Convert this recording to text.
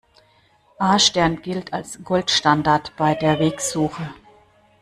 A-Stern gilt als Goldstandard bei der Wegsuche.